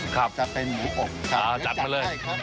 ครับจะเป็นหมูอบจัดแล้วจัดให้ครับ